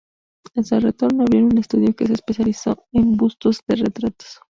A su retorno, abrieron un estudio que se especializó en bustos de retratos.